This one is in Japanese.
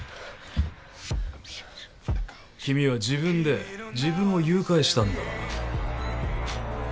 君は自分で自分を誘拐したんだ。